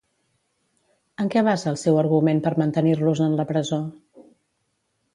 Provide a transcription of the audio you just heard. En què basa el seu argument per mantenir-los en la presó?